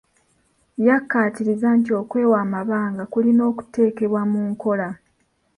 Yakkaatirizza nti okwewa amabanga kulina okuteekebwa mu nkola.